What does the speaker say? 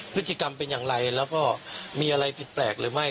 พฤติกรรมเป็นอย่างไรแล้วก็มีอะไรผิดแปลกหรือไม่